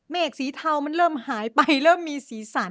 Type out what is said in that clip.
เมฆสีเทามันเริ่มหายไปเริ่มมีสีสัน